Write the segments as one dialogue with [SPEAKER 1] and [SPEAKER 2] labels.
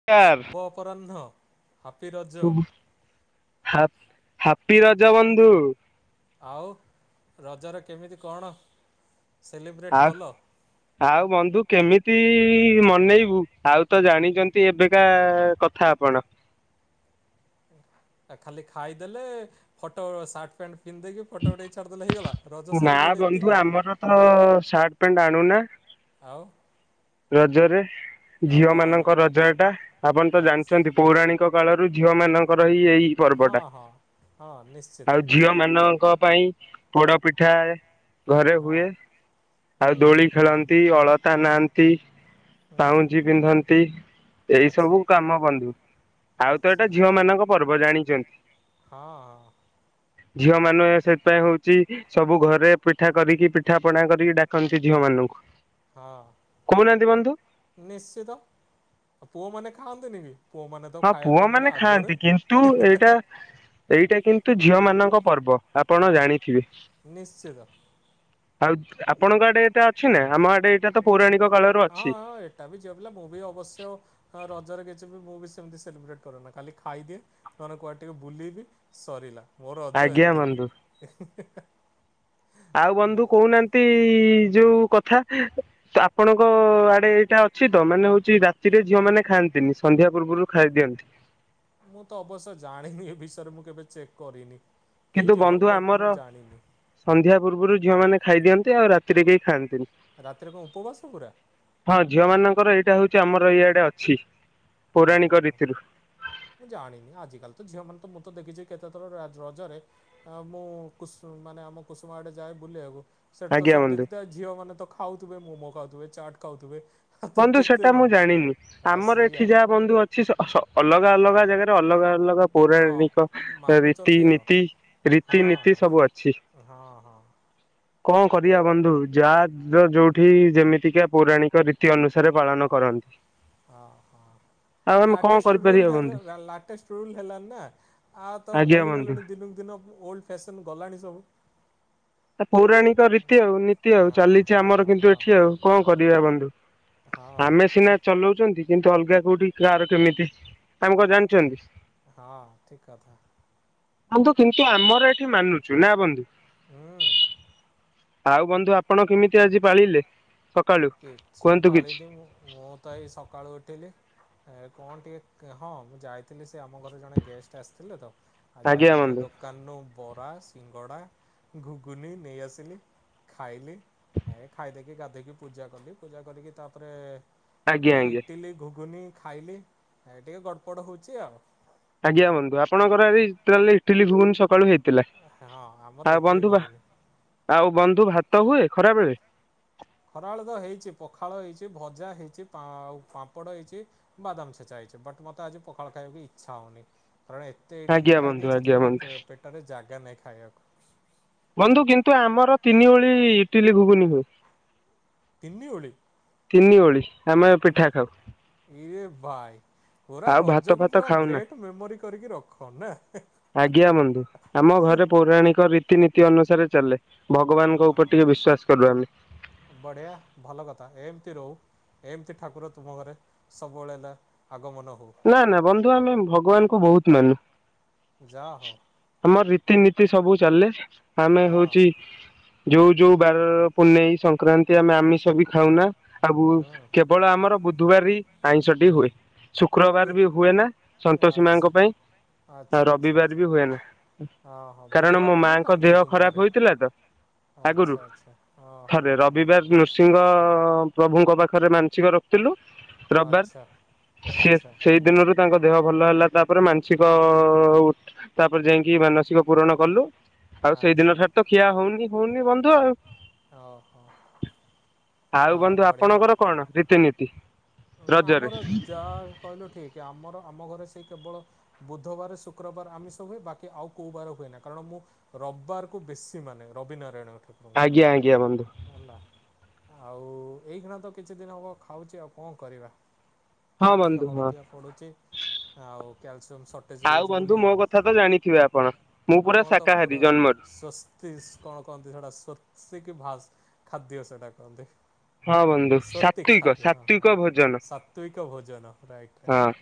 [SPEAKER 1] [unintelligible]
[SPEAKER 2] ଅ ଅପରାହ୍ନ ହାପି ରଜ।
[SPEAKER 1] ହ ହାପି ରଜ ବନ୍ଧୁ।
[SPEAKER 2] ଆଉ ରଜରେ କେମିତି କଣ ସେଲିବ୍ରେଟ୍
[SPEAKER 1] ଆଉ
[SPEAKER 2] କଲ।
[SPEAKER 1] ଆଉ ବନ୍ଧୁ କେମିତି ମନେଇବୁ ଆଉ ତ ଜାଣିଛନ୍ତି ଏବେକା କଥା ଆପଣ।
[SPEAKER 2] ଆ ଖାଲି ଖାଇଦେଲେ ଫଟୋ ସାର୍ଟ ପ୍ୟାଣ୍ଟ ପିନ୍ଧଦେଇକି ଫଟୋଟେ ଛାଡ଼ିଦେଲେ ହେଇଗଲା। ରଜ
[SPEAKER 1] ନା
[SPEAKER 2] ସେଲିବ୍ରିଟି
[SPEAKER 1] ବନ୍ଧୁ
[SPEAKER 2] ଏତିକି?
[SPEAKER 1] ଆମର ତ ଶାର୍ଟ ପ୍ୟାଣ୍ଟ ଆଣୁନା
[SPEAKER 2] ଆଉ
[SPEAKER 1] ରଜରେ
[SPEAKER 2] ଆଉ
[SPEAKER 1] ଝିଅ
[SPEAKER 2] କଣ ଆଣ?
[SPEAKER 1] ମାନଙ୍କ ରଜ ଏଟା ଆପଣ ତ
[SPEAKER 2] ଆଚ୍ଛା
[SPEAKER 1] ଜାଣିଛନ୍ତି। ପୌରାଣିକ କାଳରୁ ଝିଅ ମାନଙ୍କର ହିଁ ଏଇ ଏଇ ପର୍ବ ଟା
[SPEAKER 2] ହଁ ହଁ ହଁ ନିଶ୍ଚିତ।
[SPEAKER 1] ଆଉ ଝିଅ ମାନଙ୍କ ପାଇଁ ପୋଡ ପିଠା ଘରେ
[SPEAKER 2] ହଁ
[SPEAKER 1] ହୁଏ ଆଉ
[SPEAKER 2] ହୁଁ
[SPEAKER 1] ଦୋଳି ଖେଳନ୍ତି ଅଳ ଟା ନାନ୍ତି
[SPEAKER 2] ହୁଁ ହୁଁ
[SPEAKER 1] ପାଉଁଜି ପିନ୍ଧନ୍ତି ଏଇ
[SPEAKER 2] ଆଚ୍ଛା
[SPEAKER 1] ସବୁ କାମ ବନ୍ଧୁ। ଆଉ ତ
[SPEAKER 2] ଆଚ୍ଛା
[SPEAKER 1] ଏଇଟା ଝିଅ ମାନଙ୍କ ପର୍ବ ଜାଣିଛନ୍ତି।
[SPEAKER 2] ହଁ ହଁ
[SPEAKER 1] ଝିଅ ମାନ ସେଥିପାଇଁ ହଉଛି ସବୁ ଘରେ ପିଠା କରିକି ପି ପିଠାପଣା କରିକି ଡାକନ୍ତି ଝିଅ ମାନଙ୍କୁ।
[SPEAKER 2] ହଁ।
[SPEAKER 1] କହୁ ନାହାଁନ୍ତି ବନ୍ଧୁ?
[SPEAKER 2] ନିଶ୍ଚିତ ଆଉ ପୁଅମାନେ ଖାଆନ୍ତି ନି କି? ପୁଅମାନେ ତ
[SPEAKER 1] ହଁ
[SPEAKER 2] ଖାଇବା ପାଇଁ ପୁରା
[SPEAKER 1] ପୁଅମାନେ
[SPEAKER 2] ଆଗରେ।
[SPEAKER 1] ଖାଆନ୍ତି। କିନ୍ତୁ ଏଇଟା ଏଇଟା କିନ୍ତୁ ଝିଅ ମାନଙ୍କ ପର୍ବ। ଆପଣ
[SPEAKER 2] ହଁ
[SPEAKER 1] ଜାଣିଥିବେ?
[SPEAKER 2] ନିଶ୍ଚିତ।
[SPEAKER 1] ଆଉ ଯୁ ଆପଣଙ୍କ ଆଡେ ଏଟା ଅଛି ନା ଆମ ଆଡେ ଏଇଟା ତ ପୌରାଣିକ କାଳରୁ ଅଛି।
[SPEAKER 2] ସେଟା ବି ଝିଅପିଲା ମୁଁ ବି ଅବଶ୍ୟ ଅଁ ରଜରେ କିଛି ବି ମୁଁ ବି ସେମିତି ସେଲିବ୍ରେଟ୍ କରେନା ଖାଲି ଖାଇଦିଏ ନନେ କୁଆଡେ ଟିକେ ବୁଲିବି ସରିଲା ମୋ ରଜ
[SPEAKER 1] ଆଜ୍ଞା
[SPEAKER 2] ଏତିକି
[SPEAKER 1] ବନ୍ଧୁ। ଆଉ ବନ୍ଧୁ
[SPEAKER 2] ହେଲା।
[SPEAKER 1] କହୁ ନାହାଁନ୍ତି ଯୋଉ କଥା? ତ ଆପଣଙ୍କ ଆଡେ ଏଇଟା ଅଛି ତ ମାନେ ହଉଚି ରାତିରେ ଝିଅ ମାନେ ଖାଆନ୍ତିନି। ସନ୍ଧ୍ୟା ପୂର୍ବରୁ ଖାଇଦିଅନ୍ତି।
[SPEAKER 2] ମୁଁ ତ ଅବଶ୍ୟ ଜାଣିନି ଏ ବିଷୟରେ ମୁଁ କେବେ ଚେକ୍ କରିନି
[SPEAKER 1] କିନ୍ତୁ
[SPEAKER 2] ହେଇଥିବ
[SPEAKER 1] ବନ୍ଧୁ
[SPEAKER 2] ବଟ୍
[SPEAKER 1] ଆମର
[SPEAKER 2] ମୁଁ ଜାଣିନି।
[SPEAKER 1] ସନ୍ଧ୍ୟା ପୂର୍ବରୁ ଝିଅ ମାନ ଖାଇଦିଅନ୍ତି ଆଉ ରାତିରେ କେହି ଖାଆନ୍ତିନି।
[SPEAKER 2] ରାତିରେ କଣ ଉପବାସ ପୁରା
[SPEAKER 1] ହଁ ଝିଅ ମାନଙ୍କର ଏଇଟା ହଉଚି ଆମର ଇଆଡେ ଅଛି। ପୌରାଣିକ
[SPEAKER 2] ଓହୋ।
[SPEAKER 1] ରୀତିରୁ
[SPEAKER 2] ମୁଁ ଜାଣିନି ଆଜିକାଲି ତ ଝିଅମାନେ ତ ମୁଁ ତ ଦେଖିଚି କେତେଥର ରାଜ ରଜରେ ଆ ମୁଁ କୁସୁ ମାନେ ଆମ କୁସୁମା ଆଡେ ଯାଏ ବୁଲିଆକୁ ସେଠି ତ
[SPEAKER 1] ଆଜ୍ଞା
[SPEAKER 2] ସବୁ
[SPEAKER 1] ବନ୍ଧୁ।
[SPEAKER 2] ଦେଖିଥାଏ ଝିଅ ମାନେ ତ ଖାଉଥିବେ ମୋମୋ ଖାଉଥିବେ, ଚାଟ୍ ଖାଉଥିବେ ଆଉ ତ
[SPEAKER 1] ବନ୍ଧୁ
[SPEAKER 2] କେତେ
[SPEAKER 1] ସେଟା ମୁଁ
[SPEAKER 2] ମାନେ
[SPEAKER 1] ଜାଣିନି।
[SPEAKER 2] ହଁ
[SPEAKER 1] ଆମର
[SPEAKER 2] ସେଇଆ
[SPEAKER 1] ଏଠି ଯାହା ବନ୍ଧୁ ଅଛି ସ ସ ଅଲଗା ଅଲଗା ଜାଗାରେ ଅଲଗା ଅ ଅଲଗା
[SPEAKER 2] ହଁ
[SPEAKER 1] ପୌରାଣିକ ରୀତି
[SPEAKER 2] ମାନୁଛନ୍ତି ଆଉ
[SPEAKER 1] ନୀତି
[SPEAKER 2] ହଁ
[SPEAKER 1] ରୀତିନୀତି ସବୁ ଅଛି।
[SPEAKER 2] ହଁ ହଁ।
[SPEAKER 1] କଣ କରିଆ ବନ୍ଧୁ ଯାହା ଯ ଯୋଉଠି ଯେମିତିକା ପୌରାଣିକ ରୀ ତି ଅନୁସାରେ ପାଳନ କରନ୍ତି।
[SPEAKER 2] ଅ ହଁ।
[SPEAKER 1] ଆଉ ଆମେ କଣ
[SPEAKER 2] ଲାଟେଷ୍ଟ ରୁଲ୍
[SPEAKER 1] କରିପାରିବା ବନ୍ଧୁ
[SPEAKER 2] [unintelligible] ଲାଟେଷ୍ଟ ରୁଲ ହେଲାଣି ନା ଆଉ ତ
[SPEAKER 1] ଆଜ୍ଞା ବନ୍ଧୁ।
[SPEAKER 2] ଭୁଲିଗଲେଣି। ଦିନକୁ ଦିନ ଓଲ୍ଡ ଫ୍ୟାସନ୍ ଗଲାଣି ସବୁ।
[SPEAKER 1] ସେ ପୌରାଣିକ ରୀତି ଆଉ ନୀତି ଆଉ
[SPEAKER 2] ହଁ
[SPEAKER 1] ଚାଲିଚି
[SPEAKER 2] ହଁ
[SPEAKER 1] ଆମର କିନ୍ତୁ
[SPEAKER 2] ହଁ
[SPEAKER 1] ଏଠି ଆଉ। କଣ କରିଆ ବନ୍ଧୁ?
[SPEAKER 2] ହଁ
[SPEAKER 1] ଆମେ ସିନା ଚଲଉଚନ୍ତି କିନ୍ତୁ ଅଲଗା କୋଉଠି କାର କେମିତି ଆମେ କଣ ଜାଣିଚନ୍ତି?
[SPEAKER 2] ହଁ ଠିକ୍ କଥା।
[SPEAKER 1] ବନ୍ଧୁ କିନ୍ତୁ ଆମର ଏଠି ମାନୁଚୁ ନା ବନ୍ଧୁ?
[SPEAKER 2] ହୁଁ।
[SPEAKER 1] ଆଉ ବନ୍ଧୁ ଆପଣ କେମିତି ଆଜି ପାଳିଲେ ସକ
[SPEAKER 2] କିଛି [unintelligible] ମୋ ତ ଏଇ ସକାଳୁ ଉଠିଲି ଏ କଣ ଟିକେ କ ହଁ ମୁଁ ଯାଇ ଥିଲ ସେ ଆମ ଘରେ ଜଣେ ଗେଷ୍ଟ ଆସିଥିଲେ ତ ଆ
[SPEAKER 1] ଆଜ୍ଞା
[SPEAKER 2] ଯାଇଥିଲି ଟିକେ
[SPEAKER 1] ବନ୍ଧୁ
[SPEAKER 2] ଦେ କାନୁ ବରା, ସିଙ୍ଗଡ଼ା ଘୁଗୁନୀ ନେଇଆସିଲି ଖାଇଲି ଏ ଖାଇଦେଇ କି ଗାଧେଇକି ପୂଜା କଲି ପୂଜା କରିକି ତା ପରେ ଏ
[SPEAKER 1] ଆଜ୍ଞା
[SPEAKER 2] ଟିକେ
[SPEAKER 1] ଆଜ୍ଞା
[SPEAKER 2] ଇଟିଲି ଘୁଗୁନି ଖାଇଲି। ଏ ଟିକେ ଗଡ଼ପଡ଼ ହୋଉଚି ଆଉ।
[SPEAKER 1] ଆଜ୍ଞା ବନ୍ଧୁ ଆଣଙ୍କର ଆଜି ତାହେଲେ ଇଟିଲି ଘୁଗୁନି ସକାଳୁ ହେଇ
[SPEAKER 2] ହଁ ଆମର ଇଟିଲି ଘୁଗୁନି।
[SPEAKER 1] ଆଉ ବନ୍ଧୁ ଭାତ ହୁଏ ଖରାବେଳେ?
[SPEAKER 2] ଖରାବେଳ ତ ହେଇଚି ପଖାଳ ହେଇଚି ଭଜା ହେଇଚି, ପା ଆଉ ପାମ୍ପଡ଼ ହେଇଚି ବାଦାମ ଛେଚା ହେଇଚି ବଟ୍ ମୋତେ ଆଜି ପଖାଳ ଖାଇବାକୁ ଇଚ୍ଛା ହଉନି କାରଣ ଏ ତେ ଇଟିଲି
[SPEAKER 1] ଆଜ୍ଞା
[SPEAKER 2] ଖାଇ
[SPEAKER 1] ବନ୍ଧୁ
[SPEAKER 2] ଦେଇଚି
[SPEAKER 1] ଆଜ୍ଞା
[SPEAKER 2] ଯେ ଆଉ
[SPEAKER 1] ବନ୍ଧୁ
[SPEAKER 2] ପେ ପେଟରେ ଜାଗା ନାହିଁ ଖାଇଆକୁ।
[SPEAKER 1] ବନ୍ଧୁ କିନ୍ତୁ ଆମର ତିନି ଓଳି ଇଟିଲି ଘୁଗୁନି ହୁଏ।
[SPEAKER 2] ତିନିଓଳି।
[SPEAKER 1] ତିନିଓଳି ଆମେ ପିଠା ଖାଉ।
[SPEAKER 2] ଏ ବାଇ ପୁରା
[SPEAKER 1] ଆଉ ଭାତ
[SPEAKER 2] ରଜକୁ
[SPEAKER 1] ଫାତ
[SPEAKER 2] ପୁରା
[SPEAKER 1] ଖାଉନା।
[SPEAKER 2] ଗ୍ରେଟ୍ ମେମୋରି କରିକି ରଖନା ହେଁ।
[SPEAKER 1] ଆଜ୍ଞା ବନ୍ଧୁ ଆମ ଘରେ ପୌରାଣିକ ରୀତିନୀତି ଅନୁସାରେ ଚାଲେ। ଭଗବାନଙ୍କ ଉପରେ
[SPEAKER 2] ହଁ
[SPEAKER 1] ଟିକେ ବିଶ୍ଵାସ କଲିନି।
[SPEAKER 2] ବଢ଼ିଆ ଭଲ କଥା ଏମିତି ରଉ। ଏମିତି ଠାକୁର ତୁମ ଘରେ ସବୁବେଳେ ହେଲା ଆଗମନ ହଉ।
[SPEAKER 1] ନା ନା ବନ୍ଧୁ ଆମେ ଭଗବାନଙ୍କୁ ବହୁତ ମାନୁ।
[SPEAKER 2] ଯା ହଉ
[SPEAKER 1] ଆମର ରୀତିନୀତି ସବୁ ଚାଲେ ଆମେ
[SPEAKER 2] ହଁ
[SPEAKER 1] ହଉଚି ଯୋଉ ଯୋଉ ବାର ପୂନେଇ ସଂକ୍ରାନ୍ତି ଆମେ ଆମିଷ ବି ଖାଉନା ଆବ
[SPEAKER 2] ହୁଁ
[SPEAKER 1] କେବଳ ଆମର ବୁଧବାରେ ହିଁ ଆଇଁଷଟି ହୁଏ। ଶୁକ୍ରବାର
[SPEAKER 2] କିଏ
[SPEAKER 1] ବି ହୁଏ ନା ସନ୍ତୋଷୀ
[SPEAKER 2] ଆଚ୍ଛା
[SPEAKER 1] ମାଙ୍କ ପାଇଁ ଆ
[SPEAKER 2] ଆଚ୍ଛା ଆଚ୍ଛା
[SPEAKER 1] ରବିବାର
[SPEAKER 2] ଆଚ୍ଛା
[SPEAKER 1] ବି ହୁଏ ନା।
[SPEAKER 2] ହଁ ହଁ
[SPEAKER 1] କାରଣ
[SPEAKER 2] ବୁଧବାର
[SPEAKER 1] ମୋ
[SPEAKER 2] କିଏ
[SPEAKER 1] ମାଙ୍କ ଦେହ ଖରାପ ହେଇଥିଲା ତ ଆଗରୁ
[SPEAKER 2] ଆଛା ଆଛା ହଁ
[SPEAKER 1] ଥରେ
[SPEAKER 2] ହଁ।
[SPEAKER 1] ରବିବାର ନୃସିଂହ ପ୍ରଭୁଙ୍କ ପାଖରେ ମାନସିକ ରଖିଥିଲୁ।
[SPEAKER 2] ଆଚ୍ଛା।
[SPEAKER 1] ସେ
[SPEAKER 2] ଆଚ୍ଛା
[SPEAKER 1] ସେଇ ଦିନରୁ ତାଙ୍କ ଦେହ ଭଲ ହେଲା ତାପରେ ମାନସିକ ତାପରେ ଯାଇକି ମାନସିକ ପୂୁରଣ କଲୁ ଆଉ
[SPEAKER 2] ଆଚ୍ଛା
[SPEAKER 1] ସେଇଦିନ ଠାରୁ ତ ଖିଆ ହଉନି ହଉନି ବନ୍ଧୁ ଆଉ।
[SPEAKER 2] ଅ ହଁ।
[SPEAKER 1] ଆଉ
[SPEAKER 2] ହ
[SPEAKER 1] ବନ୍ଧୁ
[SPEAKER 2] ବଢିଆ
[SPEAKER 1] ଆପଣଙ୍କର କଣ ରୀତିନୀତି? ରଜରେ
[SPEAKER 2] ଆମର ଯା କହିଲୁ ଠିକ୍ ଆମର ଆମ ଘରେ ସେ କେବଳ ବୁଧବାର ଶୁକ୍ରବାର ଆମିଷ ହୁଏ ବାକି ଆଉ କୋଉ ବାର ହୁଏ ନା କାରଣ ମୁଁ ରବିବାର କୁ ବେଶୀ ମାନେ ରବିିନାରାୟଣ
[SPEAKER 1] ଆଜ୍ଞା ଆଜ୍ଞା ବନ୍ଧୁ।
[SPEAKER 2] ଆଉ ଏଇନା ତ କିଛି ଦିନ ହେବ ଖାଉଛି ଆଉ କଣ କରିବି।
[SPEAKER 1] ହଁ
[SPEAKER 2] ଆଖି
[SPEAKER 1] ବନ୍ଧୁ ହଁ
[SPEAKER 2] ହଳଦିଆ ପଡୁଚି। ଆଉ କ୍ୟାଲସିୟମ ସର୍ଟେଜ
[SPEAKER 1] ଆଉ
[SPEAKER 2] ରହୁଛି
[SPEAKER 1] ବନ୍ଧୁ
[SPEAKER 2] ବୋଲି
[SPEAKER 1] ମୋ କଥା ତ ଜାଣିଥିବେ ଆପଣ ମୁଁ ପୁରା
[SPEAKER 2] ଆପଣ ତ
[SPEAKER 1] ଶାକାହାରୀ
[SPEAKER 2] ପୁରା
[SPEAKER 1] ଜନ୍ମରୁ
[SPEAKER 2] ସ୍ଵସ୍ତି କଣ କହନ୍ତି ସେଟା ସ୍ଵସ୍ତି କି ଭାଷ ଖାଦ୍ୟ ସେଟା କହନ୍ତି।
[SPEAKER 1] ହଁ ବନ୍ଧୁ
[SPEAKER 2] ସ୍ଵତିକ
[SPEAKER 1] ସାତ୍ଵିକ
[SPEAKER 2] ଖାଦ୍ୟ ହଁ
[SPEAKER 1] ସାତ୍ଵିକ
[SPEAKER 2] ହଁ ହ
[SPEAKER 1] ଭୋଜନ
[SPEAKER 2] ସାତ୍ଵିକ ଭୋଜନ ରାଇଟ୍
[SPEAKER 1] ହଁ
[SPEAKER 2] ରାଇଟ।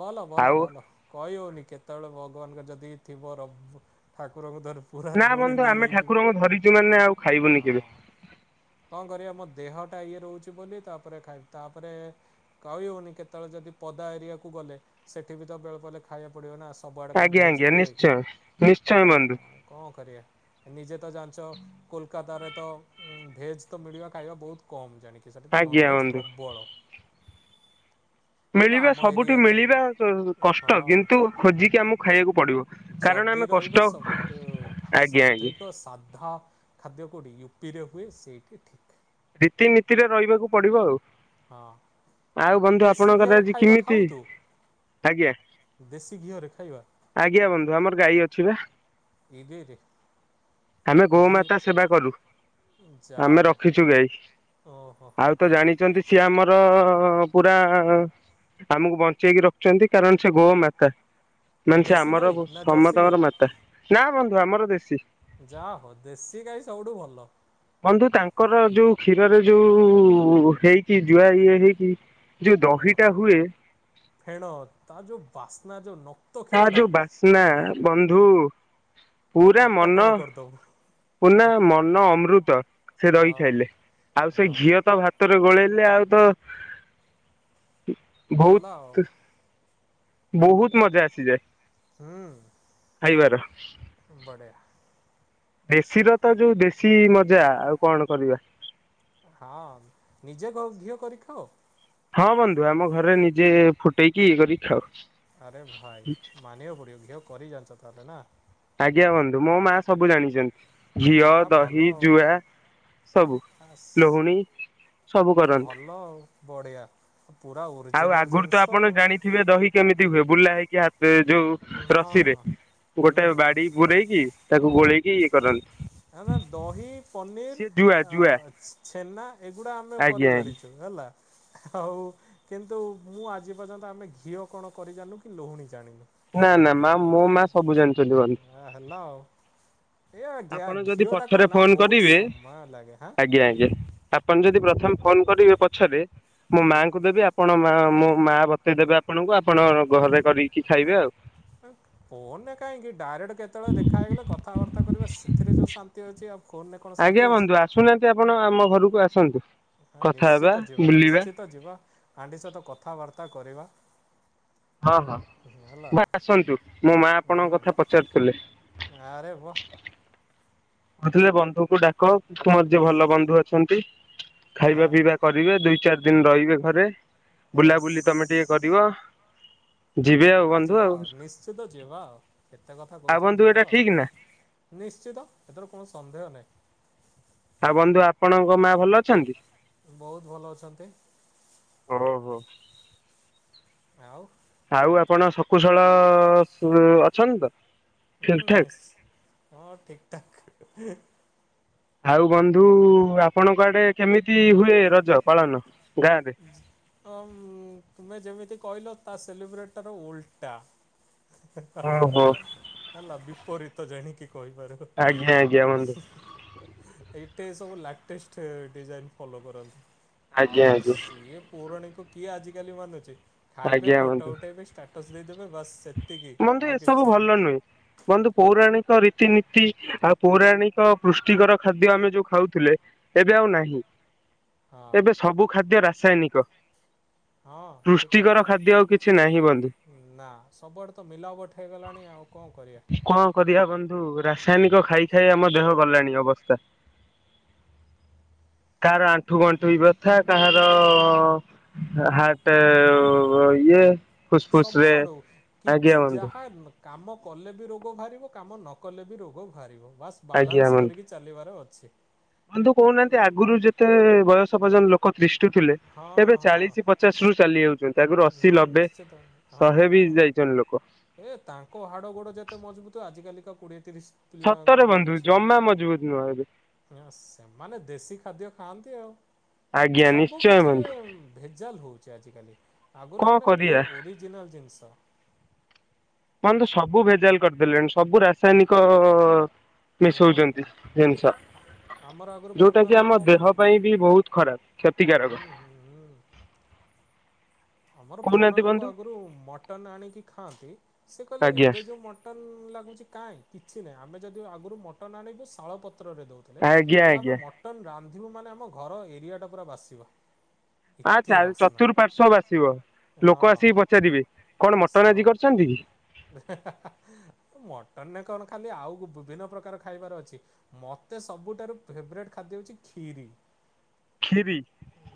[SPEAKER 2] ଵଲ ବଲ
[SPEAKER 1] ଆଉ
[SPEAKER 2] ବଲ। କଇହଉନି କେତେବେଳେ ଭଗବାନଙ୍କ ଯଦି ଥିବ ରବ ଠାକୁରଙ୍କୁ ଧର ପୁରା ପୁଣି ନିଲ୍‌ ହେଇଯିବି।
[SPEAKER 1] ଧରିଚୁ ମାନେ ଆଉ
[SPEAKER 2] ଏ
[SPEAKER 1] ଖାଇବୁନି
[SPEAKER 2] ହଁ।
[SPEAKER 1] କେବେ
[SPEAKER 2] କଅଁ କରିବା ମୋ ଦେହ ଟା ଇଏ ରହୁଛି ବୋଲି ତାପରେ ଖାଇବି ତାପରେ କହି ହଉନି କେତେବେଳେ ଯଦି ପଦା ଏରିଆକୁ ଗଲେ ସେଠି ବି ତ ବେଳେ ବଳେ ଖାଇବା ପଡିବ ନା ଆସ ସବୁଆଡେ କଣ
[SPEAKER 1] ଆଜ୍ଞା
[SPEAKER 2] ଭେଜ୍‌
[SPEAKER 1] ଆଜ୍ଞା
[SPEAKER 2] ମିଳେ କିି
[SPEAKER 1] ନିଶ୍ଚୟ ନିଶ୍ଚୟ
[SPEAKER 2] ହେଲା
[SPEAKER 1] ବନ୍ଧୁ
[SPEAKER 2] କଣ କରିବା ନିଜେ ତ ଜାଣିଛ କୋଲକାତାରେ ତ ଭେଜ୍ ତ ମିଳିବା ଖାଇବା ବହୁତ କମ୍ ଜାଣିକି ସେଇଠି ତ
[SPEAKER 1] ଆଜ୍ଞା
[SPEAKER 2] ନଭେଜ୍
[SPEAKER 1] ବନ୍ଧୁ
[SPEAKER 2] ପ୍ରବଳ। ଏବେ
[SPEAKER 1] ମିଳିବା
[SPEAKER 2] ଆମ
[SPEAKER 1] ସବୁଠୁ
[SPEAKER 2] ଏରିଆରେ
[SPEAKER 1] ମିଳିବା କଷ୍ଟ
[SPEAKER 2] ହଁ
[SPEAKER 1] କିନ୍ତୁ ଖୋଜିକି ଆମକୁ ଖାଇବାକୁ ପଡିବ। କାରଣ
[SPEAKER 2] ଯଦି
[SPEAKER 1] ଆମେ କଷ୍ଟ
[SPEAKER 2] ରହିବ ସବୁଠୁ
[SPEAKER 1] ଆଜ୍ଞା ଆଜ୍ଞା
[SPEAKER 2] ସାଧୁକ ସାଧା ଖାଦ୍ୟ କେଉଠି ୟୁପିରେ ହୁଏ ସେଇଠି ଠିକ୍।
[SPEAKER 1] ରୀତିନୀତିରେ ରହିବାକୁ ପଡିବ ଆଉ। ଆଉ
[SPEAKER 2] ହଁ
[SPEAKER 1] ବନ୍ଧୁ
[SPEAKER 2] ଦେଶୀ
[SPEAKER 1] ଆପଣଙ୍କର
[SPEAKER 2] ଘିଅରେ
[SPEAKER 1] ଆଜି
[SPEAKER 2] ଖାଇବା
[SPEAKER 1] କେମିତି
[SPEAKER 2] ଖାଉ ତୁ
[SPEAKER 1] ଆଜ୍ଞା।
[SPEAKER 2] ଦେଶୀ ଘିଅରେ ଖାଇବା
[SPEAKER 1] ଆଜ୍ଞା ବନ୍ଧୁ ଆମର ଗାଈ ଅଛି ବା।
[SPEAKER 2] ଇରେରେ
[SPEAKER 1] ଆମେ
[SPEAKER 2] ଘି
[SPEAKER 1] ଗୋମାତା ସେବା କଲୁ
[SPEAKER 2] ଯା
[SPEAKER 1] ଆମେ
[SPEAKER 2] ହଉ
[SPEAKER 1] ରଖି ଚୁ ଗାଈ
[SPEAKER 2] ଓହୋ
[SPEAKER 1] ଆଉ ତ ଜାଣିଚନ୍ତି ସିଏ ଆମର ପୁରା ଆମକୁ ବଞ୍ଚେଇକି ରଖଚନ୍ତି କାରଣ ସେ ଗୋମାତା। ମାନେ ସେ
[SPEAKER 2] ଦେଶୀ
[SPEAKER 1] ଆମର
[SPEAKER 2] ଗାଈ
[SPEAKER 1] ଗ
[SPEAKER 2] ନା ଜର୍ସି ଗାଈ
[SPEAKER 1] ସମତକର ମାତା ନା ବନ୍ଧୁ ଆମର ଦେଶୀ।
[SPEAKER 2] ଯା ହ ଦେଶୀ ଗାଈ ସବୁଠୁ ଭଲ।
[SPEAKER 1] ବନ୍ଧୁ ତାଙ୍କର ଯୋଉ କ୍ଷୀରରେ ଯୋଉ ହେଇଚି ଜୁଆ ଇଏ ହେଇଚି
[SPEAKER 2] ଓହୋ ଫେଣ ତା ଯୋଉ ବାସ୍ନା ଯୋଉ ନ
[SPEAKER 1] ତାର୍ ଯୋଉ ବାସ୍ନା ବନ୍ଧୁ
[SPEAKER 2] ମୋ
[SPEAKER 1] ପୁରା
[SPEAKER 2] ନାକ କଣ
[SPEAKER 1] ମନ
[SPEAKER 2] କରିଦବ
[SPEAKER 1] ପୁନା ମନ ଅମୃତ ସେ ରହି
[SPEAKER 2] ହଁ
[SPEAKER 1] ଖାଇଲେ ଆଉ ସେ
[SPEAKER 2] ହଁ
[SPEAKER 1] ଘିଅ ତ ଭାତ ତରେ ଗୋଳେଇଲେ ଆଉ ତ
[SPEAKER 2] ଗଲା ଆଉ
[SPEAKER 1] ଭୋହୁତୁ ବୋହୁତୁ ମଜା ଆସିଯାଏ। ଖାଇବାର
[SPEAKER 2] ହୁଁ ବଡିଆ।
[SPEAKER 1] ଦେଶୀର ତ ଯୋଉ ଦେଶୀ ମଜା ଆଉ କଣ କରିବା
[SPEAKER 2] ହଁ ନିଜେ ଗ ଘିଅ କରି ଖାଅ।
[SPEAKER 1] ହଁ ବନ୍ଧୁ ଆମ ଘରେ ନିଜେ ଫୁଟେଇକି ଇଏ କରି ଖାଉ।
[SPEAKER 2] ଆରେ ଭାଇ ମାନିଆକୁ ପଡିବ ଘିଅ କରି ଜାଣିଚ ତାହେଲେ ନା।
[SPEAKER 1] ଆଜ୍ଞା ବନ୍ଧୁ ମୋ ମା ସବୁ ଜାଣିଚନ୍ତି ଘିଅ
[SPEAKER 2] ଆ ଭଲ
[SPEAKER 1] ଦହି
[SPEAKER 2] ଆଉ
[SPEAKER 1] ଜୁଆ ସବୁ
[SPEAKER 2] ଆସ୍
[SPEAKER 1] ଲହୁଣୀ ସବୁ କରନ୍ତି।
[SPEAKER 2] ବଢିଆ ଓ ପୁରା ଓରିଜିନାଲ ଜିନିଷ ଆଉ।
[SPEAKER 1] କିବେ ଦହି କେମିତି ହୁଏ ବୁଲା ହେଇ କି ହାତେ ଯୋଉ
[SPEAKER 2] ଆଉ ହଁ
[SPEAKER 1] ରସିରେ
[SPEAKER 2] ହଁ
[SPEAKER 1] ଗୋଟେ
[SPEAKER 2] ହୁଁ
[SPEAKER 1] ବାଡି ଗୁରେଇକି ତାକୁ ଗୋଳେଇକି ଇଏ କରନ୍ତି।
[SPEAKER 2] ହେନା ଦହି
[SPEAKER 1] ସିଏ ଜୁଆ
[SPEAKER 2] ପନିର ଆ
[SPEAKER 1] ଜୁଆ
[SPEAKER 2] ଛେନା ଏଗୁଡ଼ା ଆମେ
[SPEAKER 1] ଆଜ୍ଞା
[SPEAKER 2] କରି
[SPEAKER 1] ଆଜ୍ଞା
[SPEAKER 2] ଜାଣିଚୁ। ହେଲା ଆଉ କିନ୍ତୁ ମୁଁ ଆଜି ପର୍ଯ୍ୟନ୍ତ ଆମେ ଘିଅ କଣ କରି ଜାଣିନୁ କି ଲୋହୁଣୀ ଜାଣିନୁ।
[SPEAKER 1] ନା ନା ମା ମୋ ମା ସବୁ ଜାଣିଚନ୍ତି କରି।
[SPEAKER 2] ଆ ହେଲା ଆଉ ଏଆ ଗ୍ୟା
[SPEAKER 1] ଆପଣ ଯଦି
[SPEAKER 2] ଘିଅଟା
[SPEAKER 1] ପଛରେ
[SPEAKER 2] କନ ନା
[SPEAKER 1] ଫୋନ
[SPEAKER 2] ବହୁତ
[SPEAKER 1] କରିବେ
[SPEAKER 2] ସମୟ ଲାଗେ ହାଁ
[SPEAKER 1] ଆଜ୍ଞା ଆଜ୍ଞା ଆପଣ ଯଦି ପ୍ରଥମେ ଫୋନ କରିବେ ପଛରେ ମୋ
[SPEAKER 2] ହୁଁ।
[SPEAKER 1] ମାଙ୍କୁ ଦେବି ଆ ଆପଣ ମା ମୋ ମା ବତେଇଦେବେ ଆପଣଙ୍କୁ ଆପଣ ଘରେ କରିକି ଖାଇବେ ଆଉ।
[SPEAKER 2] ଏଁ ଫୋନରେ କାହିଁକି ଡାଇରେକ୍ଟ କେତେବେଳେ ଦେଖା ହେଇଗଲେ କଥାବାର୍ତ୍ତା କରିବା ସେଥିରେ ଯଉଁ ଶାନ୍ତି ଅଛି ଆଉ ଫୋନରେ କଣ ଶାନ୍ତି
[SPEAKER 1] ଆଜ୍ଞା
[SPEAKER 2] ଅଛି?
[SPEAKER 1] ବନ୍ଧୁ ଆସୁନାହାନ୍ତି ଆପଣ ଆମ ଘରକୁ ଆସନ୍ତୁ। କଥା ହେବା
[SPEAKER 2] ନିଶ୍ଚିତ ଯିବା
[SPEAKER 1] ବୁଲିବା
[SPEAKER 2] ନିଶ୍ଚିତ ଯିବା ଆଣ୍ଟି ସହିତ କଥାବାର୍ତ୍ତା କରିବା।
[SPEAKER 1] ହଁ ହଁ
[SPEAKER 2] ହେଲା
[SPEAKER 1] ଭାଇ ଆସନ୍ତୁ ମୋ ମା ଆପଣଙ୍କ
[SPEAKER 2] ହୁଁ
[SPEAKER 1] କଥା ପଚାରୁଥିଲେ।
[SPEAKER 2] ଆରେ ୱା।
[SPEAKER 1] କହୁଥିଲେ ବନ୍ଧୁଙ୍କୁ ଡାକ ତୁମର ଯିଏ ଭଲ ବନ୍ଧୁ ଅଛନ୍ତି
[SPEAKER 2] ଆ
[SPEAKER 1] ଖାଇବା ପିଇବା କରିବେ ଦୁଇ ଚାର ଦିନ ରହିବେ ଘରେ ବୁଲାବୁଲି ତମେ ଟିକେ
[SPEAKER 2] ୟେସ୍।
[SPEAKER 1] କରିବ। ଯିବେ ଆଉ
[SPEAKER 2] ହେଲା
[SPEAKER 1] ବନ୍ଧୁ
[SPEAKER 2] ଯିବା ଆଉ ନିଶ୍ଚିତ ଯିବା ଆଉ କେତେ କଥା
[SPEAKER 1] ଆଉ ବନ୍ଧୁ
[SPEAKER 2] କହୁଚନ୍ତି ଯିବା
[SPEAKER 1] ଏଇଟା ଠିକ ନା
[SPEAKER 2] ଆଉ। ନିଶ୍ଚିତ ହେଥିର କୌଣସି ସନ୍ଦେହ ନାହିଁ।
[SPEAKER 1] ହାରେ ବନ୍ଧୁ ଆପଣଙ୍କ ମାଆ ଭଲ ଅଛନ୍ତି
[SPEAKER 2] ବୋହୁତୁ ଭଲ ଅଛନ୍ତି।
[SPEAKER 1] ଓହୋ।
[SPEAKER 2] ଆଉ।
[SPEAKER 1] ଆଉ ଆପଣ ଶକୁଶଳ ଅଛନ୍ତି ତ?
[SPEAKER 2] ହୁଁ
[SPEAKER 1] ଠିକ ଠାକ?
[SPEAKER 2] ନିଶ୍ଚ ହଁ ଠିକ୍ ଠାକ୍।
[SPEAKER 1] ଆଉ ବନ୍ଧୁ ଆପଣଙ୍କ ଆଡେ କେମିତି ହୁଏ ରଜ ପାଳନ ଗାଁ ରେ?
[SPEAKER 2] ତୁମେ ଯେମିତି କହିଲ ତା ସେଲିବ୍ରେଟର ଓଲଟା।
[SPEAKER 1] ଓହୋ
[SPEAKER 2] ହେଲା ବିପରୀତ ଜାଣିକି ହେଇପାରେ।
[SPEAKER 1] ଆଜ୍ଞା ଆଜ୍ଞା ବନ୍ଧୁ
[SPEAKER 2] [unintelligible] ଏଇଟେ ସବୁ ଲାଟେଷ୍ଟ ଡିଜାଇନ୍ ଫଲୋ କରନ୍ତି, ଆଉ
[SPEAKER 1] ଆଜ୍ଞା ଆଜ୍ଞା
[SPEAKER 2] ଇଏ ପୌରାଣୀକୁ କିଏ ଆଜିକାଲି ମାନୁଛି, ଖାଇବେ
[SPEAKER 1] ଆଜ୍ଞା ବନ୍ଧୁ।
[SPEAKER 2] ଫଟା ଉଠେଇବେ ଷ୍ଟାଟସ୍ ଦେଇଦେବେ ବାସ୍ ସେ
[SPEAKER 1] ବନ୍ଧୁ ଏସବୁ ଭଲ ନୁହେଁ। ବନ୍ଧୁ ପୌରାଣିକ ରୀତିନୀତି ଆଉ ପୌରାଣିକ ପୃଷ୍ଟିକର ଖାଦ୍ୟ ଆମେ ଯୋଉ ଖାଉଥିଲେ ଏବେ ଆଉ ନାହିଁ
[SPEAKER 2] ହଁ
[SPEAKER 1] ଏବେ ସବୁ ଖାଦ୍ୟ ରାସାୟନିକ।
[SPEAKER 2] ହଁ ଠିକ
[SPEAKER 1] ପୃଷ୍ଟିକର ଖାଦ୍ୟ ଆଉ କିଛି ନାହିଁ ବନ୍ଧୁ।
[SPEAKER 2] କଥା। ନା ସବୁଆଡେ ତ ମିଲାବଟ ହେଇଗଲାଣି ଆଉ କଣ କରିବା।
[SPEAKER 1] କଣ କରିବା ବନ୍ଧୁ ରାସାୟନିକ ଖାଇ ଖାଇ ଆମ ଦେହ ଗଲାଣି ଅବସ୍ଥା। କାହାର ଆଣ୍ଠୁ ଗଣ୍ଠୁ ବି ବ୍ୟଥା କାହାର ହାଟ ଇଏ ଫୁସଫୁସ ରେ
[SPEAKER 2] ସବୁଆଡୁ
[SPEAKER 1] ଆଜ୍ଞା
[SPEAKER 2] କିଛି
[SPEAKER 1] ବନ୍ଧୁ
[SPEAKER 2] ଯାହା ନ କାମ କଲେ ବି ରୋଗ ବାହାରିବ କାମ ନ କଲେ ବି ରୋଗ ବାହାରିବ ବାସ୍
[SPEAKER 1] ଆଜ୍ଞା
[SPEAKER 2] ବାଲାନ୍ସ
[SPEAKER 1] ବନ୍ଧୁ।
[SPEAKER 2] କରିକି ଚାଲିବାର ଅଛି।
[SPEAKER 1] ବନ୍ଧୁ କହୁନାହାନ୍ତି
[SPEAKER 2] ହେଲା
[SPEAKER 1] ଆଗରୁ ଯେତେ ବୟସ ପର୍ଯ୍ୟନ୍ତ ଲୋକ ତିଠୁ ଥିଲେ
[SPEAKER 2] ହଁ
[SPEAKER 1] ଏବେ
[SPEAKER 2] ହଁ
[SPEAKER 1] ଚାଳିଶ ପଚାଶ ରୁ ଚାଲି ଯାଉଛନ୍ତି ତାଗରୁ ଅଶି
[SPEAKER 2] ହଁ
[SPEAKER 1] ନବେ
[SPEAKER 2] ନିଶ୍ଚିତ ହଁ
[SPEAKER 1] ଶହେ ବି
[SPEAKER 2] ହଁ
[SPEAKER 1] ଯାଇଛନ୍ତି ଲୋକ।
[SPEAKER 2] ଏ ତାଙ୍କ ହାଡ଼ ଗୋଡ ଯେତେ ମଜବୁତ ଆଜିକାଲିକା କୋଡିଏ ତିରିଶ ପିଲାଙ୍କର
[SPEAKER 1] ସତରେ ବନ୍ଧୁ ଜମା ମଜବୁତ ନୁହେଁ ଏବେ।
[SPEAKER 2] ନା ସେମାନେ ଦେଶୀ ଖାଦ୍ୟ ଖାଆନ୍ତି ଆଉ,
[SPEAKER 1] ଆଜ୍ଞା ନିଶ୍ଚୟ
[SPEAKER 2] ସବୁକଛିରେ
[SPEAKER 1] ବନ୍ଧୁ।
[SPEAKER 2] ଭେଜାଲ ହେଉଛି ଆଜିକାଲି ଆଗରୁ
[SPEAKER 1] କଣ
[SPEAKER 2] ମାନେ
[SPEAKER 1] କରିବା
[SPEAKER 2] ପିଓର୍ ଓରିଜିନାଲ୍ ଜିନିଷ
[SPEAKER 1] ମହେ ତ ସବୁ ଭେଜାଲ କରିଦେଲେଣି, ସବୁ ରାସାୟନିକ
[SPEAKER 2] ହଁ
[SPEAKER 1] ମିଶଉଛନ୍ତି
[SPEAKER 2] ହଁ
[SPEAKER 1] ଜିନିଷ
[SPEAKER 2] ଆମର ଆଗରୁ,
[SPEAKER 1] ଯୋଉଟା
[SPEAKER 2] ପୁରୁଣା
[SPEAKER 1] କି ଆମ
[SPEAKER 2] ଲୋକ
[SPEAKER 1] ଦେହ
[SPEAKER 2] ହୁଁ
[SPEAKER 1] ପାଇଁ ବି ବହୁତ ଖରାପ କ୍ଷତିକାରକ
[SPEAKER 2] ହୁଁ ହୁଁ ଆମର ପୁରୁଣା
[SPEAKER 1] କହୁନାହାନ୍ତି
[SPEAKER 2] ଲୋକ
[SPEAKER 1] ବନ୍ଧୁ
[SPEAKER 2] ଆଗରୁ ମଟନ୍ ଆଣିକି ଖାଆନ୍ତି, ସେ କହିଲେ
[SPEAKER 1] ଆଜ୍ଞା।
[SPEAKER 2] ଏବେ ଯେଉଁ ମ ମଟନ୍ ଲାଗୁଛି କାହିଁ କିଛି ନାହିଁ ଆମେ ଯଦି ଆଗରୁ ମଟନ୍ ଆଣିବୁ ଶାଳପତ୍ରରେ ଦେଉଛୁ।
[SPEAKER 1] ଆଜ୍ଞା
[SPEAKER 2] ତାଲେ ଆମେ
[SPEAKER 1] ଆଜ୍ଞା
[SPEAKER 2] ମଟନ ରାନ୍ଧିବୁ ମାନେ ଆମ ଘର ଏରିଆଟା ପୁରା ବାସିବ। ଏତେ
[SPEAKER 1] ଆଁ
[SPEAKER 2] ବାସ୍ନା
[SPEAKER 1] ଚତୁର୍ ପାର୍ଶ୍ ବାସିବ
[SPEAKER 2] ହଁ
[SPEAKER 1] ଲୋକ ଆସିକି ପଚାରିବେ କଣ ମଟନ୍ ଆଜି କରିଛନ୍ତି କି?
[SPEAKER 2] ମଟନ ନରେ କଣ ଖାଲି ଆଉ ବିଭିନ୍ନ ପ୍ରକାର ଖାଇବାର ଅଛି। ମୋତେ ସବୁଠାରୁ ଫେବରାଇଟ୍ ଖାଦ୍ୟ ହେଉଛି କ୍ଷୀରି।
[SPEAKER 1] ଖରି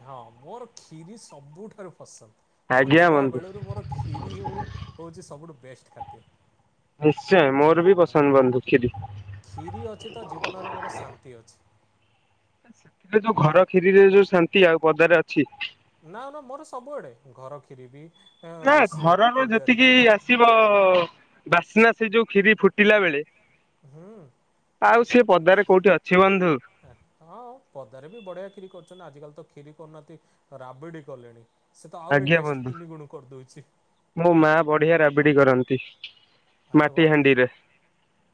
[SPEAKER 2] ହଁ ମୋର କ୍ଷୀରି ସବୁଠାରୁ ପସନ୍ଦ ମୋର
[SPEAKER 1] ଆଜ୍ଞା
[SPEAKER 2] ଛୁଆ
[SPEAKER 1] ବନ୍ଧୁ
[SPEAKER 2] ବେଳରୁ ମୋର ଖିରି ହିଉଁ ଯେ ସବୁଠୁ ବେଷ୍ଟ [unintelligible]
[SPEAKER 1] ନିଶ୍ଚୟ ମୋର ବି
[SPEAKER 2] ହଁ।
[SPEAKER 1] ପସନ୍ଦ ବନ୍ଧୁ କ୍ଷିରି।
[SPEAKER 2] କ୍ଷୀରି ଅଛି ତ ଜୀବନରେ ମୋର ଶାନ୍ତି ଅଛି।
[SPEAKER 1] ସେଥିରେ ଯୋଉ
[SPEAKER 2] ହେଲା।
[SPEAKER 1] ଘର କ୍ଷିରିରେ ଯୋଉ ଶାନ୍ତି ଆଉ ପଦାରେ ଅଛି।
[SPEAKER 2] ନା ନା ମୋର ସବୁଆଡେ ଘର କ୍ଷୀର ବି ଏଁ,
[SPEAKER 1] ନା
[SPEAKER 2] ରୋଷେଇ
[SPEAKER 1] ଘରର
[SPEAKER 2] ପୂଜାରେ
[SPEAKER 1] ଯେତିକି
[SPEAKER 2] କ୍ଷୀରି
[SPEAKER 1] ଆସିବ ବାସ୍ନା ସେ ଯୋଉ କ୍ଷିରି ଫୁଟିଲା ବେଳେ
[SPEAKER 2] ହୁଁ।
[SPEAKER 1] ଆଉ ସେ ପଦାରେ କୋଉଠି ଅଛି ବନ୍ଧୁ?
[SPEAKER 2] ହଁ ପଦାରେ ବି ବଢିଆ କ୍ଷିରି କରୁଛନ୍ତି ଆଜିକାଲି ତ କ୍ଷିରି କରୁନାହାନ୍ତି ରାବିଡି କଲେଣି। ସେ ତ ଆହୁରି
[SPEAKER 1] ଆଜ୍ଞା
[SPEAKER 2] ଟେଷ୍ଟ
[SPEAKER 1] ବନ୍ଧୁ
[SPEAKER 2] ତିନି ଗୁଣ କରିଦଉଛି।
[SPEAKER 1] ମୋ ମା ବଢିଆ ରାବିଡି କରନ୍ତି
[SPEAKER 2] ଆରେ
[SPEAKER 1] ମାଟି
[SPEAKER 2] ବାଃ।
[SPEAKER 1] ହାଣ୍ଡିରେ।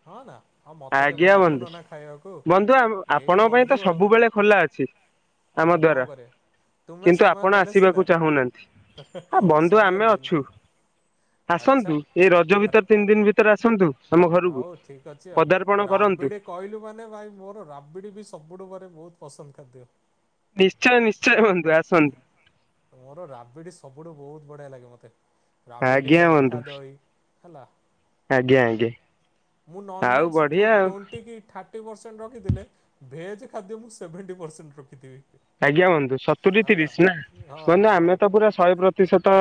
[SPEAKER 2] ହଁ ନା ଆଉ ମୋତେ କେବେ
[SPEAKER 1] ଆଜ୍ଞା
[SPEAKER 2] ଡାକୁନ
[SPEAKER 1] ବନ୍ଧୁ
[SPEAKER 2] ନା ଖାଇବାକୁ
[SPEAKER 1] ବନ୍ଧୁ
[SPEAKER 2] ଏଇ
[SPEAKER 1] ଆପଣଙ୍କ ପାଇଁ ତ
[SPEAKER 2] ବନ୍ଧୁ ଆଉ।
[SPEAKER 1] ସବୁବେଳେ ଖୋଲା ଅଛି। ସେ ଆମ
[SPEAKER 2] ଆଉ କଣ
[SPEAKER 1] ଦ୍ଵାରା
[SPEAKER 2] କରିବା ତୁମେ
[SPEAKER 1] କିନ୍ତୁ
[SPEAKER 2] ସମୟ
[SPEAKER 1] ଆପଣ
[SPEAKER 2] ଦେଲେ
[SPEAKER 1] ଆସିବାକୁ
[SPEAKER 2] ସିନା
[SPEAKER 1] ଚାହୁଁନାହାନ୍ତି ଆ ବନ୍ଧୁ
[SPEAKER 2] ସମୟ
[SPEAKER 1] ଆମେ ଅ ଛୁ
[SPEAKER 2] ଦେଲେ ଆଚ୍ଛା
[SPEAKER 1] ଆସନ୍ତୁ ଏଇ ରଜ
[SPEAKER 2] ଆରେ
[SPEAKER 1] ଭିତରେ ତିନି ଦିନ ଭିତରେ ଆସନ୍ତୁ। ଆମ ଘରକୁ
[SPEAKER 2] ହଉ ଠିକ ଅଛି
[SPEAKER 1] ପଦାର୍ପଣ
[SPEAKER 2] ଆଉ
[SPEAKER 1] କରନ୍ତୁ
[SPEAKER 2] ରାବିଡ କହିଲୁ ମାନେ ଭାଇ ମୋର ରାବିଡ଼ି ବି ସବୁଠୁ ପରେ ବହୁତ ପସନ୍ଦ ଖାଦ୍ୟ
[SPEAKER 1] ନିଶ୍ଚୟ ନିଶ୍ଚୟ ବନ୍ଧୁ ଆସନ୍ତୁ।
[SPEAKER 2] ମୋର ରାବିଡ଼ି ସବୁଠୁ ବହୁତ ବଢ଼ିଆ ଲାଗେ ମୋତେ ରାବିଡ଼ି
[SPEAKER 1] ଆଜ୍ଞା ବନ୍ଧୁ
[SPEAKER 2] ମିଠା ଦହି ହେଲା।
[SPEAKER 1] ଆଜ୍ଞା ଆଜ୍ଞା।
[SPEAKER 2] ମୁଁ
[SPEAKER 1] ଆଉ
[SPEAKER 2] ନନଭେଜ୍
[SPEAKER 1] ବଢିଆ ଆଉ
[SPEAKER 2] ଟ୍ୱେଣ୍ଟି କି ଥାର୍ଟି ଟି ପରସେଣ୍ଟ ରଖିଥିଲେ ଭେଜ୍ ଖାଦ୍ୟ ମୁଁ ସେଭେଣ୍ଟି ପରସେଣ୍ଟ ରଖିଥିବି।
[SPEAKER 1] ଆଜ୍ଞା ବନ୍ଧୁ ସତୁରି
[SPEAKER 2] ହେଲା
[SPEAKER 1] ତିରିଶ ନା
[SPEAKER 2] ହଁ
[SPEAKER 1] ବନ୍ଧୁ ଆମେ
[SPEAKER 2] ହଁ
[SPEAKER 1] ତ ପୁରା ଶହେ ପ୍ରତିଶତ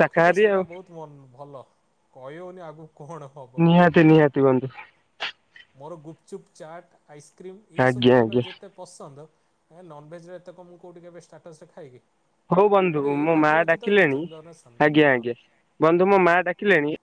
[SPEAKER 1] ସା
[SPEAKER 2] ଦେଖିଛ ସେଇଟା ବହୁତ ଭ ଭଲ କହଉନି ଆଗ କଣ ହବ
[SPEAKER 1] ନିହାତି ନିହାତି ବନ୍ଧୁ
[SPEAKER 2] ମୋର ଗୁପଚୁପ ଚାଟ ଆଇସ୍କ୍ରିମ୍ ଏଇସବୁ
[SPEAKER 1] ଆଜ୍ଞା
[SPEAKER 2] ଖାଇବା
[SPEAKER 1] ଆଜ୍ଞା
[SPEAKER 2] ଯେତେ ପସନ୍ଦ ଆଜ୍ଞା ନନଭେଜରେ ଏତେ କଣ ମୁଁ କେଉଁଠିକି ଏବେ ଷ୍ଟାଟସରେ ଖାଏ କି?
[SPEAKER 1] ହଉ ବନ୍ଧୁ
[SPEAKER 2] ମୋର ଏ
[SPEAKER 1] ମୋ
[SPEAKER 2] ଖାଦ୍ୟ
[SPEAKER 1] ମାଆ
[SPEAKER 2] ଅଛି ତ
[SPEAKER 1] ଡାକିଲେଣି
[SPEAKER 2] ଜିନ୍ଦନରେ ଶାନ୍ତି
[SPEAKER 1] ଆଜ୍ଞା
[SPEAKER 2] ହଁ।
[SPEAKER 1] ଆଜ୍ଞା ବନ୍ଧୁ ମୋ ମା ଡାକିଲେଣି